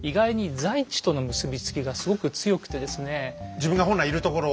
自分が本来いるところ。